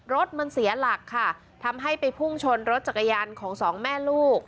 รถมันเสียหลักค่ะทำให้ไปพุ่งชนรถจักรยานของสองแม่ลูก